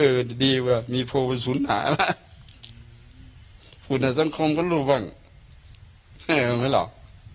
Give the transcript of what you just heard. เออดีวะมีโภวศูนย์หน่าฟูนาสังคมก็รู้บ้างเออไม่หลอก